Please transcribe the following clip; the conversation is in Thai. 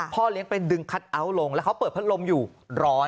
เลี้ยงไปดึงคัทเอาท์ลงแล้วเขาเปิดพัดลมอยู่ร้อน